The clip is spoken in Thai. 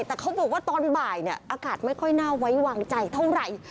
แต่เขาบอกว่าตอนบ่ายเนี่ยอากาศไม่ค่อยน่าไว้วางใจเท่าไหร่